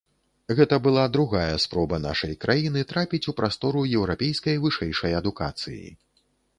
Гэта была другая спроба нашай краіны трапіць у прастору еўрапейскай вышэйшай адукацыі.